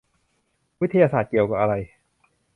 วิทยาศาสตร์เกี่ยวอะไร ?